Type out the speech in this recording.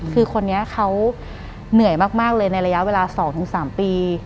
คือคนนี้เขาเหนื่อยมากเลยในระยะเวลา๒๓ปี